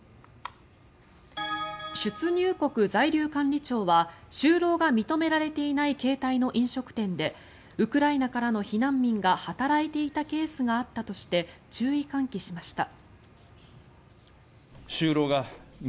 出入国在留管理庁は就労が認められていない形態の飲食店でウクライナからの避難民が働いていたケースがあったとして注意喚起しました。